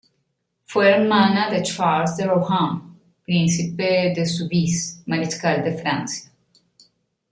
Fue hermana de Charles de Rohan, Príncipe de Soubise, mariscal de Francia.